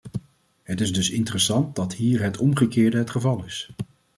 Het is dus interessant dat hier het omgekeerde het geval is.